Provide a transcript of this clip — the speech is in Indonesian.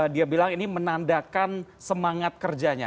dia bilang ini menandakan semangat kerjanya